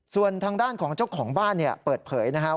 ส่วนทางด้านของเจ้าของบ้านเปิดเผยนะครับ